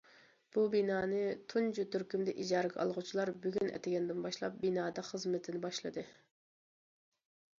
بۇ بىنانى تۇنجى تۈركۈمدە ئىجارىگە ئالغۇچىلار بۈگۈن ئەتىگەندىن باشلاپ بىنادا خىزمىتىنى باشلىدى.